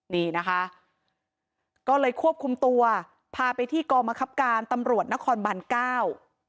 นี่นะคะก็เลยควบคุมตัวพาไปที่กองมะครับการตำรวจนครบันเก้า